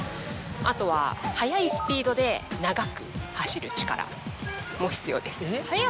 あとは速いスピードで長く走る力も必要です。